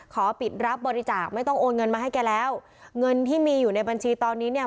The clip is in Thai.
ขอปิดรับบริจาคไม่ต้องโอนเงินมาให้แกแล้วเงินที่มีอยู่ในบัญชีตอนนี้เนี่ย